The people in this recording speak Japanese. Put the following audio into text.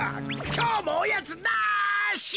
きょうもおやつなし！